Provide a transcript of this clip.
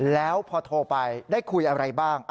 แล้วพอโทรไปได้คุยอะไรบ้าง